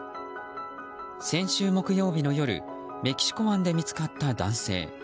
先週木曜日の夜メキシコ湾で見つかった男性。